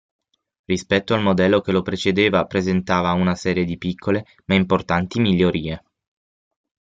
Rispetto al modello che lo precedeva presentava una serie di piccole ma importanti migliorie.